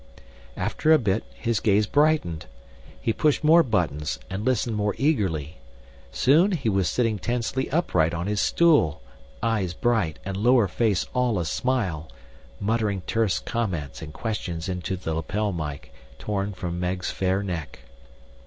After a bit, his gaze brightened. He pushed more buttons and listened more eagerly. Soon he was sitting tensely upright on his stool, eyes bright and lower face all a smile, muttering terse comments and questions into the lapel mike torn from Meg's fair neck.